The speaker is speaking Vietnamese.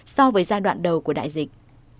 so với giai đoạn đầu của đại dịch